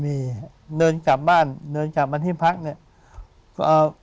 มีเนินกลับบ้านเนินกลับมาที่พักเนี่ย